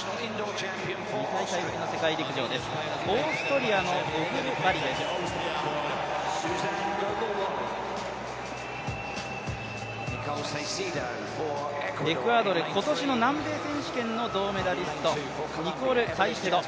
２大会ぶりの世界陸上ですオーストラリアのゴグルバリですエクアドル今年の南米選手権の金メダリストニコル・カイセド。